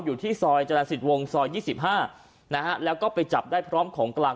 อยู่ที่ซอยจรรสิตวงซอย๒๕นะฮะแล้วก็ไปจับได้พร้อมของกลาง